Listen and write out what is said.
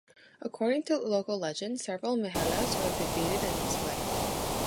According to local legend, seven mehellas were defeated in this way.